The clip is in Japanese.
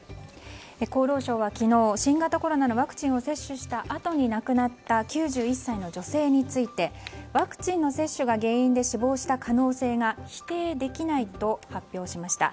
厚労省は昨日、新型コロナのワクチンを接種したあとに亡くなった９１歳の女性についてワクチンの接種が原因で死亡した可能性が否定できないと発表しました。